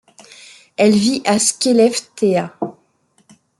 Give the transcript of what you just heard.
Elle vit à Skellefteå.